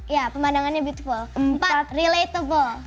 ya pemandangannya beautiful empat relatable